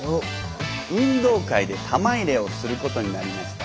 運動会で玉入れをすることになりました。